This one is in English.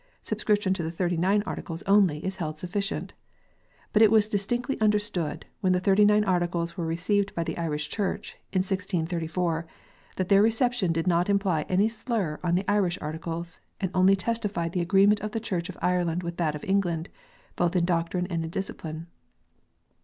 Subscription to the Thirty nine Articles only is held sufficient. But it was distinctly understood, when the Thirty nine Articles were received by the Irish Church, in 1634, that their reception did not imply any slur on the Irish Articles, and only testified the agreement of the Church of Ireland with that of England, both in doctrine and discipline.